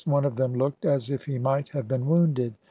One of them looked as if he might have been wounded.